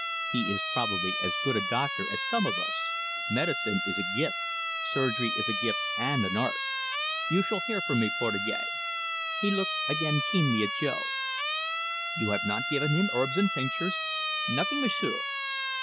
"He is probably as good a doctor as some of us. Medicine is a gift, surgery is a gift and an art. You shall hear from me, Portugais." He looked again keenly at Jo. "You have not given him 'herbs and tinctures'?" "Nothing, M'sieu'."